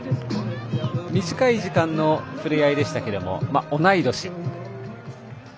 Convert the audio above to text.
短い時間のふれあいでしたが同い年。